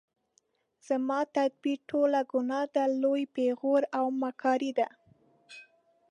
زما تدبیر ټوله ګناه ده لوی پیغور او مکاري ده